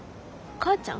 母ちゃん？